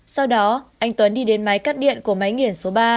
sau đó anh tuấn đi đến máy cắt điện của máy nghiền số ba